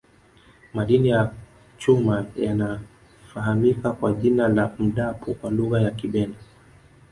madini ya cuma yanafahamika kwa jina la mdapo kwa lugha ya kibena